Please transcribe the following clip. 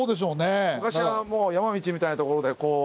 昔はもう山道みたいなところでこう。